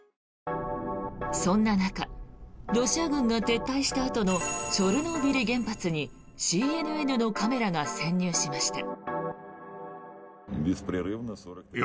そんな中ロシア軍が撤退したあとのチョルノービリ原発にＣＮＮのカメラが潜入しました。